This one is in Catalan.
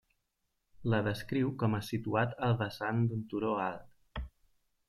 La descriu com a situat al vessant d'un turó alt.